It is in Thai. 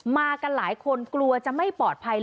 มากันหลายคนกลัวจะไม่ปลอดภัย